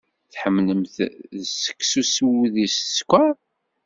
Tḥemmlemt seksu s wudi d skeṛ?